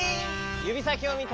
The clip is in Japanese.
ゆびさきをみて。